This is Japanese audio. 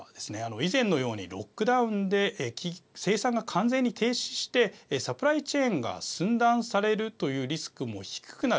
以前のようにロックダウンで生産が完全に停止してサプライチェーンが寸断されるというリスクも低くなる